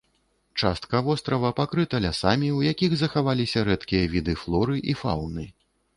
Частка вострава пакрыта лясамі, у якіх захаваліся рэдкія віды флоры і фаўны.